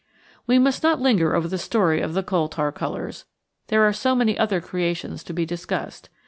We must not linger over the story of the coal tar colours there are so many other creations to be discussed.